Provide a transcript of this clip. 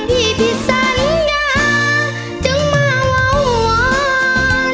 พี่ผิดสัญญาจงมาวาน